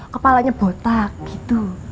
kepalanya botak gitu